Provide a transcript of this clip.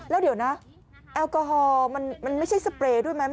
แล้วเดี๋ยวนะแอลกอฮอล์มันไม่ใช่สเปรย์ด้วยไหม